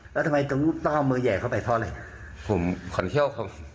แล้วทำไมต้องเอาเมอแยกเข้าไปเพราะอะไรผมคนเที่ยวอ๋อ